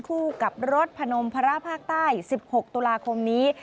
คู่กับรถพนมภาระภาคใต้๑๖ตุลาคมนี้